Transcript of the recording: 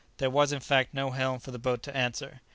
There was, in fact, no helm for the boat to answer.